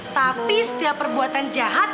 tapi setiap perbuatan jahat